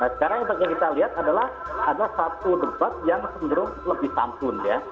sekarang yang kita lihat adalah ada satu debat yang cenderung lebih santun ya